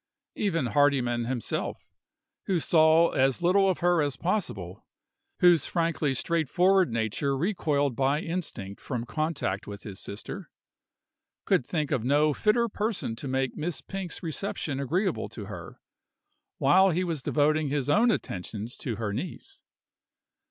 Even Hardyman himself who saw as little of her as possible, whose frankly straightforward nature recoiled by instinct from contact with his sister could think of no fitter person to make Miss Pink's reception agreeable to her, while he was devoting his own attentions to her niece.